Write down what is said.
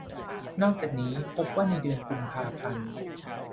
นอกจากนี้ พบว่าในเดือนกุมภาพันธ์